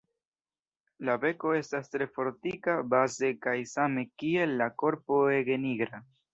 La beko estas tre fortika baze kaj same kiel la korpo ege nigra.